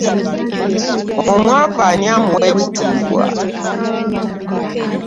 Omwavu ani amuwa ekitiibwa?